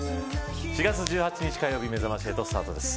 ４月１８日、火曜日「めざまし８」スタートです。